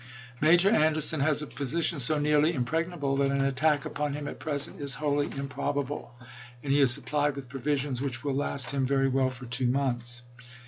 . Major Anderson has a position so nearly im pregnable that an attack upon him at present is wholly improbable and he is supplied with provisions which will last him very well for two months.